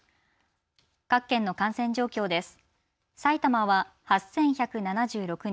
各県の感染状況です。